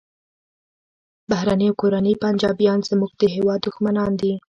بهرني او کورني پنجابیان زموږ د هیواد دښمنان دي